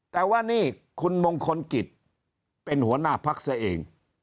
แต่ว่านี่คุณมงคลกิจเป็นหัวหน้าพักเสียเอง